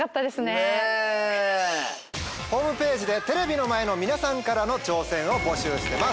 ホームページでテレビの前の皆さんからの挑戦を募集してます。